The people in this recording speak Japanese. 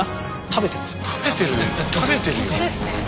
食べてるよ。